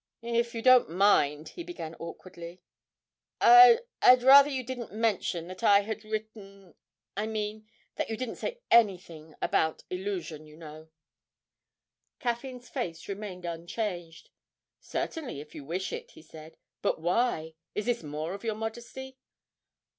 'If you don't mind,' he began awkwardly, 'I I'd rather you didn't mention that I had written I mean, that you didn't say anything about "Illusion," you know.' Caffyn's face remained unchanged. 'Certainly, if you wish it,' he said; 'but why? Is this more of your modesty?'